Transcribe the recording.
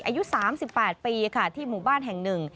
อายุ๓๘ปีค่ะที่หมู่บ้านแห่งหนึ่ง